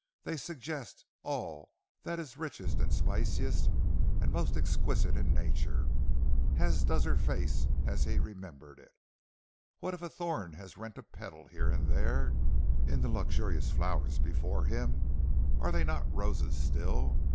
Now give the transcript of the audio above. They suggest all that is richest and spiciest and most exquisite in nature, as does her face as he remembered it. What if a thorn has rent a petal here and there, in the luxurious flowers before him, are they not roses still?